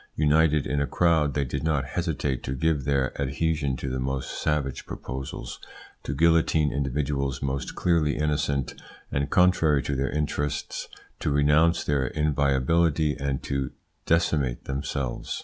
United in a crowd, they did not hesitate to give their adhesion to the most savage proposals, to guillotine individuals most clearly innocent, and, contrary to their interests, to renounce their inviolability and to decimate themselves.